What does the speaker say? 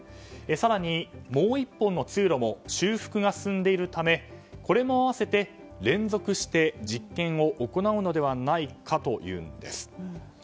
更に、もう１本の通路も修復が進んでいるためこれも合わせて連続して実験を行うのではないかというんです。